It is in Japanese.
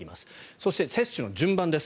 そして接種の順番です。